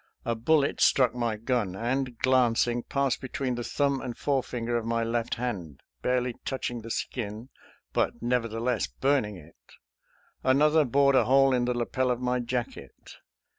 A bullet struck my gun, and, glancing, passed between the thumb and forefinger of my left hand, barely touching the skin, but, nevertheless, burning it; another bored a hole in the lapel of my jacket.